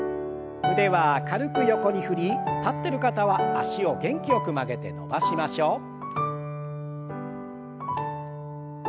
腕は軽く横に振り立ってる方は脚を元気よく曲げて伸ばしましょう。